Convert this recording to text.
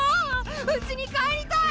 うちにかえりたい！